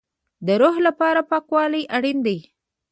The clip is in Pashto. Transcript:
د روح لپاره پاکوالی اړین دی